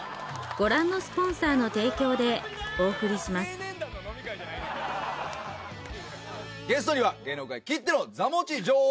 総勢ゲストには芸能界きっての座持ち女王